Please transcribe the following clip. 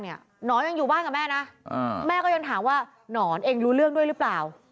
หนอนยังอยู่บ้านกับแม่นะแม่ก็ยังถามว่าหนอนเองรู้เรื่องด้วยหรือเปล่า